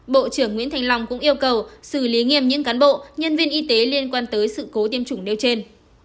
bộ trưởng nguyễn thanh long cũng yêu cầu xử lý nghiêm những cán bộ nhân viên y tế liên quan tới sự cố tiêm chủng nêu trên